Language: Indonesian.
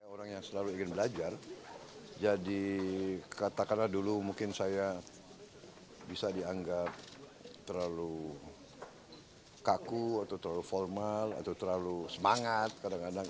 orang yang selalu ingin belajar jadi katakanlah dulu mungkin saya bisa dianggap terlalu kaku atau terlalu formal atau terlalu semangat kadang kadang